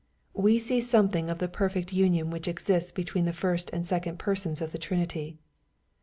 We see something of the perfect union which exists be tween the first and second Persons of the Trinity.